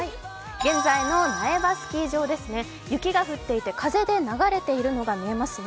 現在の苗場スキー場ですね、雪が降っていて風で流れているのが見えますね。